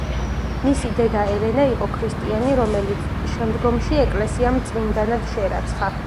მისი დედა ელენე იყო ქრისტიანი, რომელიც შემდგომში ეკლესიამ წმინდანად შერაცხა.